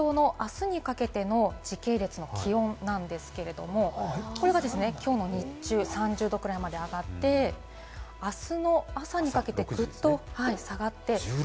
こちら東京のあすにかけての時系列の気温なんですけれども、これがですね、きょうの日中、３０度くらいまで上がって、あすの朝にかけてぐっと下がって。